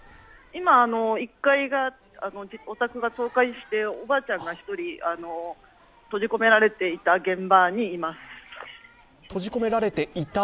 今１階が倒壊しておばあちゃんが１人、閉じ込められていた現場にいます。